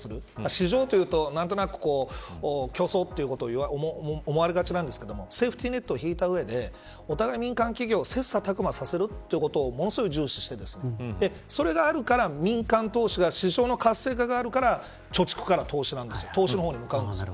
市場というと何となく競争ということを思われがちなんですけどセーフティネットを引いた上でお互い民間企業を切磋琢磨させることをものすごい重視してそれがあるから民間投資が市場の活性化があるから貯蓄から投資に向かうんです。